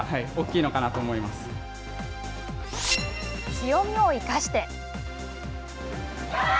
強みを生かして！